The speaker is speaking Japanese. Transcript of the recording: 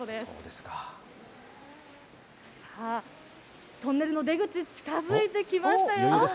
さあ、トンネルの出口、近づいてきましたよ。